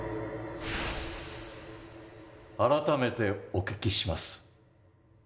改めてお聞きします。